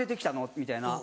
みたいな。